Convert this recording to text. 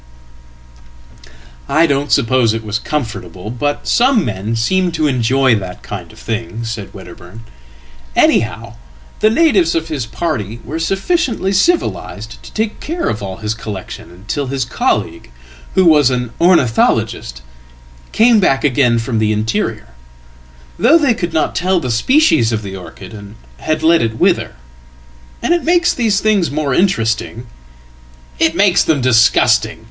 ""I don't suppose it was comfortable, but some men seem to enjoy that kindof thing," said Wedderburn. "Anyhow, the natives of his party weresufficiently civilised to take care of all his collection until hiscolleague, who was an ornithologist, came back again from the interior; though they could not tell the species of the orchid, and had let itwither. And it makes these things more interesting.""It makes them disgusting.